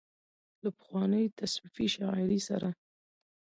له پخوانۍ تصوفي شاعرۍ سره